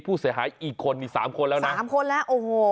ผู้เสียหายอีกคนนี่สามคนแล้วนะสามคนแล้วโอ้โห